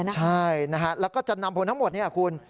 ใช่นะฮะแล้วก็จะนำผลทั้งหมดเนี่ยคุณ